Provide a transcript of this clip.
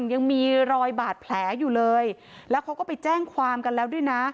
ยังมีรอยบาดแผลอยู่เลยแล้วเขาก็ไปแจ้งความกันแล้วด้วยนะ